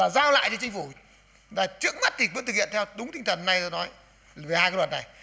giao lại cho chính phủ là trước mắt thì vẫn thực hiện theo đúng tinh thần này tôi nói về hai cái luật này